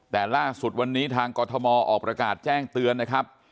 แต่ล่าสุดวันนี้ทางกรทมออกประกาศแจ้งเตือนนะครับ